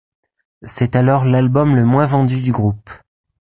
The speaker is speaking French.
C'est alors l'album le moins vendu du groupe.